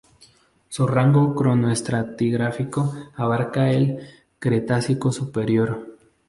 Su rango cronoestratigráfico abarca el Cretácico superior.